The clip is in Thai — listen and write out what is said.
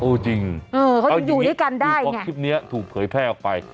เออจริงเออเขาอยู่ด้วยกันได้ไงอีกครั้งคลิปเนี้ยถูกเผยแพร่ออกไป